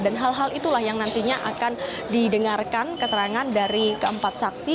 dan hal hal itulah yang nantinya akan didengarkan keterangan dari keempat saksi